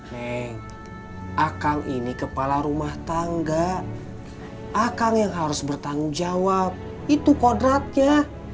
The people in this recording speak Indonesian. hei akang ini kepala rumah tangga akang yang harus bertanggung jawab itu kodratnya